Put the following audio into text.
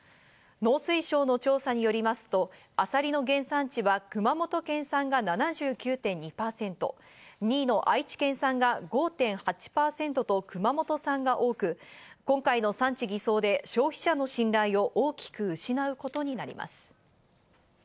農水省の調査によりますと、あさりの原産地は熊本県産が７９．２％、２位の愛知県産が５．８％と熊本産が多く、今回の産地偽装で消費者の信頼を大きく失うことになります。